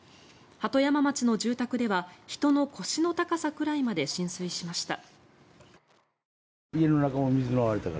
鳩山町の住宅では人の腰の高さくらいまで浸水しました。